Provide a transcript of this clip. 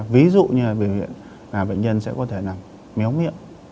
ví dụ như là bệnh viện là bệnh nhân sẽ có thể nằm méo miệng